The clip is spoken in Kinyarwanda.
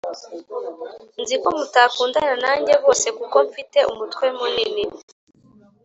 nzi ko mutakundana nanjye bose kuko mfite umutwe munini.